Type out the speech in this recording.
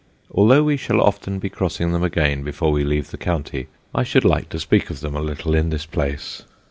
Although we shall often be crossing them again before we leave the county, I should like to speak of them a little in this place.